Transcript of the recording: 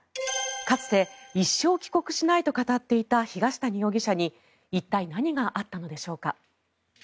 かつて一生帰国しないと語っていた東谷容疑者に一体、何があったのでしょうか。